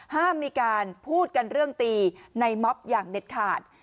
ห้ามมีการพูดกันเรื่องตีในม็อบอย่างเด็ดขาด